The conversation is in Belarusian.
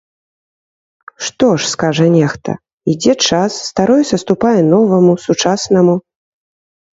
Што ж, скажа нехта, ідзе час, старое саступае новаму, сучаснаму.